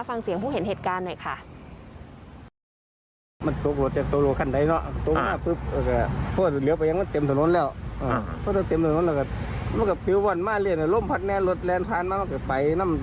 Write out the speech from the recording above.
ฟังเสียงผู้เห็นเหตุการณ์หน่อยค่ะ